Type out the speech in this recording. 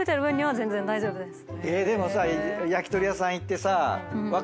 でもさ焼き鳥屋さん行ってさわか